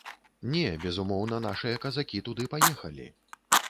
Не, безумоўна, нашыя казакі туды паехалі.